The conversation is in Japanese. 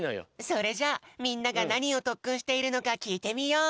それじゃあみんながなにをとっくんしているのかきいてみよう！